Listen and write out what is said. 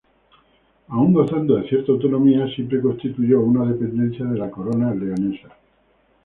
Aun gozando de cierta autonomía, siempre constituyó una dependencia de la Corona leonesa.